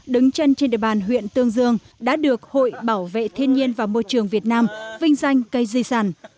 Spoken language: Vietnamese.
đứng chân trên địa bàn huyện tương dương đã được hội bảo vệ thiên nhiên và môi trường việt nam vinh danh cây di sản